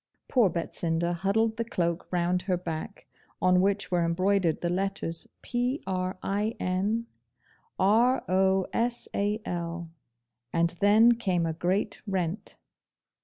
Poor Betsinda huddled the cloak round her back, on which were embroidered the letters PRIN. .. ROSAL. .. and then came a great rent.